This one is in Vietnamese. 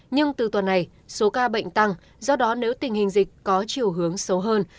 nhưng từ tuần này số ca bệnh tăng do đó nếu tình hình dịch có chiều hướng xấu hơn